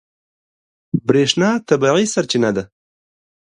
برېښنا طبیعي سرچینه ده.